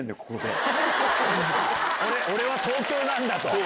俺は東京なんだ！と。